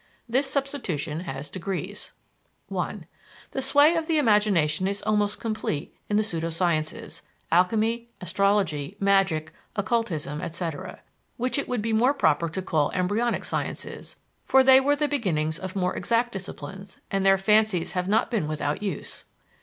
This substitution has degrees: (1) The sway of the imagination is almost complete in the pseudo sciences (alchemy, astrology, magic, occultism, etc.), which it would be more proper to call embryonic sciences, for they were the beginnings of more exact disciplines and their fancies have not been without use.